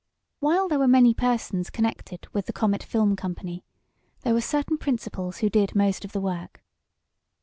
While there were many persons connected with the Comet Film Company, there were certain principals who did most of the work.